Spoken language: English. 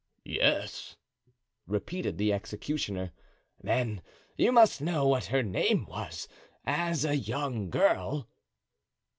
"Yes," repeated the executioner. "Then you must know what her name was as a young girl."